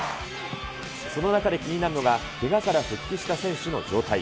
その中で気になるのが、けがから復帰した選手の状態。